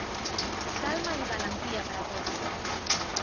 Calma i valentia per a tot.